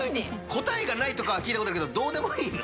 「こたえがない」とかはきいたことがあるけどどうでもいいの？